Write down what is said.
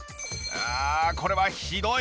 ああこれはひどい。